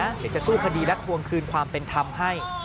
เดี๋ยวจะสู้คดีและทวงคืนความเป็นธรรมให้